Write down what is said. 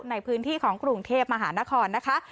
ในพื้นที่ของกรุงเทพมหานครนะคะ